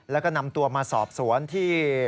แล้วก็นำตัวมาสอบสวนที่